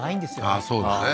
ああーそうだね